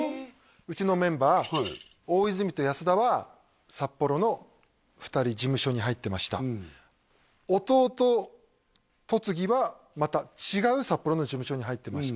うちのメンバー大泉と安田は札幌の２人事務所に入ってました音尾と戸次はまた違う札幌の事務所に入ってました